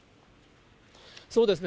そうですね。